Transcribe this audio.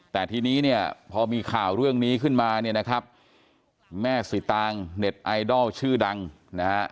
แต่ทีนี้เนี่ยพอมีข่าวเรื่องนี้ขึ้นมาเนี่ยนะครับแม่สิตางเน็ตไอดอลชื่อดังนะฮะ